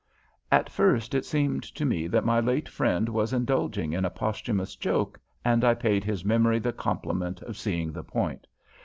At first it seemed to me that my late friend was indulging in a posthumous joke, and I paid his memory the compliment of seeing the point.